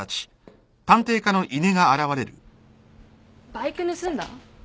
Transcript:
・バイク盗んだ？